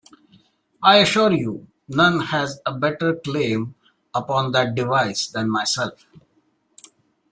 I assure you, none has a better claim upon that device than myself.